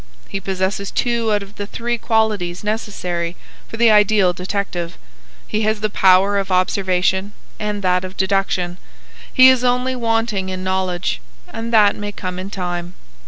He possesses two out of the three qualities necessary for the ideal detective. He has the power of observation and that of deduction. He is only wanting in knowledge; and that may come in time.